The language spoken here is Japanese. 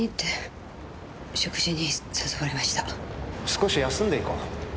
少し休んでいこう。